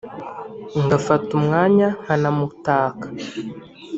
ngafata umwanya nkanamutaka